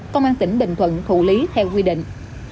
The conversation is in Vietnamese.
công an tỉnh bình thuận thủ lý theo quy định